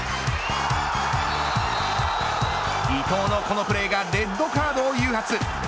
伊東のこのプレーがレッドカードを誘発。